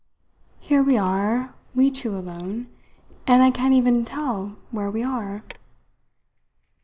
Here we are, we two alone, and I can't even tell where we are."